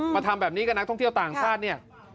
ทำแบบนี้กับนักท่องเที่ยวต่างชาติเนี่ย